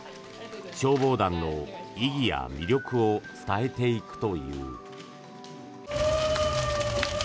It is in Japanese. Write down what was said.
消防団の意義や魅力を伝えていくという。